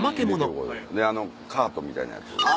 であのカートみたいなやつ。